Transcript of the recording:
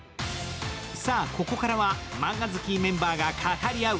ここからはマンガ好きメンバーが語り合う。